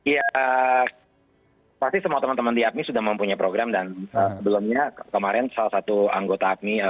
ya pasti semua teman teman di apmi sudah mempunyai program dan sebelumnya kemarin salah satu anggota apmi